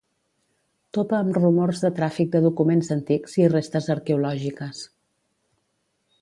Topa amb rumors de tràfic de documents antics i restes arqueològiques.